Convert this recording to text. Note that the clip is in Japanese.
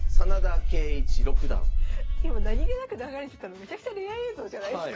今何気なく流れてたのめちゃくちゃレア映像じゃないですか。